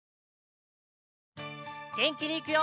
げんきにいくよ！